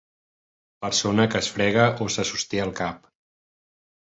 persona que es frega o se sosté el cap